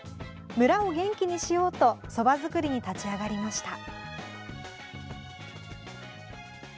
村を元気にしようとそば作りに立ち上がりました。